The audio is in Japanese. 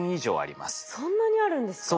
そんなにあるんですか？